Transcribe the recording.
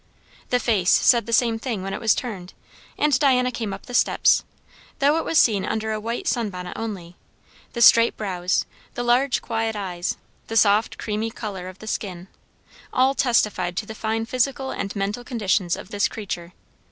The face said the same thing when it was turned, and Diana came up the steps; though it was seen under a white sun bonnet only; the straight brows, the large quiet eyes, the soft creamy colour of the skin, all testified to the fine physical and mental conditions of this creature.